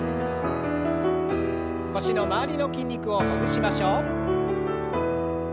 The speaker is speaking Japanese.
腰の周りの筋肉をほぐしましょう。